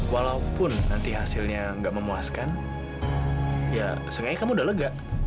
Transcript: walaupun nanti hasilnya nggak memuaskan ya sebenarnya kamu udah lega